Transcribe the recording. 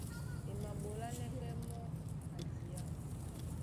E maɓolánɛ́ pɛ́ mɔ́ ka diá.